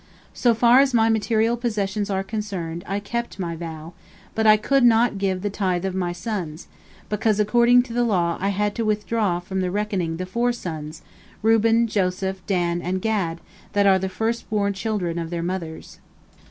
So far as my material possessions are concerned, I kept my vow, but I could not give the tithe of my sons, because according to the law I had to withdraw from the reckoning the four sons, Reuben, Joseph, Dan, and Gad, that are the first born children of their mothers.